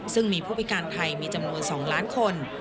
ซึ่งมีผู้พิการไทยมีจำนวน๒ล้านคน